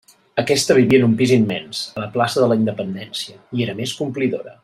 Aquesta vivia en un pis immens, a la plaça de la Independència i era més complidora.